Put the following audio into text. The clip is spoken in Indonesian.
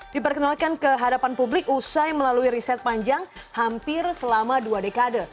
diperkenalkan ke hadapan publik usai melalui riset panjang hampir selama dua dekade